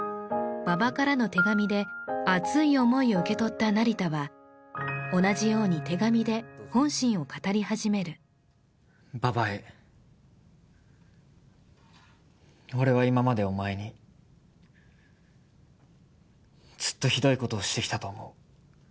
馬場からの手紙で熱い思いを受け取った成田は同じように手紙で本心を語り始める馬場へ俺は今までお前にずっとひどいことをしてきたと思う